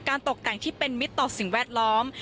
ตกแต่งที่เป็นมิตรต่อสิ่งแวดล้อม